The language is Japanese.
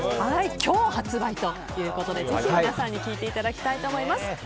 今日発売ということでぜひ皆さんに聴いていただきたいと思います。